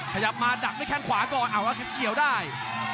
ขยับมาดักด้วยแข้งขวาก่อนเอาแล้วครับเกี่ยวได้